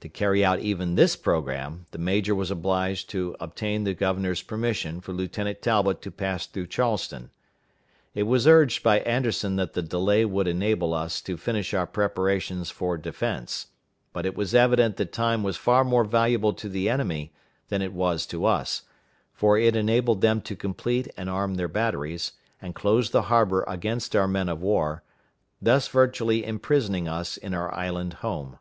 To carry out even this programme, the major was obliged to obtain the governor's permission for Lieutenant Talbot to pass through Charleston. It was urged by Anderson that the delay would enable us to finish our preparations for defense; but it was evident that time was far more valuable to the enemy than it was to us, for it enabled them to complete and arm their batteries, and close the harbor against our men of war, thus virtually imprisoning us in our island home.